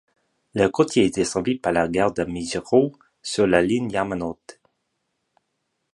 Le quartier est desservi par la gare de Mejiro sur la ligne Yamanote.